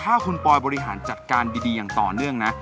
ถ้าคุณปอยบริหารจัดการดีอย่างต่อเนื่องนะ